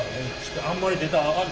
あんまり出たらあかん。